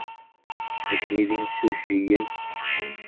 Nekkni d imsujjiyen.